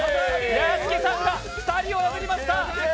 屋敷さんが２人を破りました。